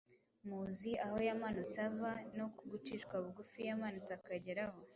Muzi aho yamanutse ava, no gucishwa bugufi yamanutse akageraho